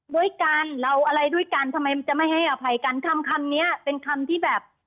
ด้วยกันเราอะไรด้วยกันทำไมจะไม่ให้อภัยกันคำคำเนี้ยเป็นคำที่แบบ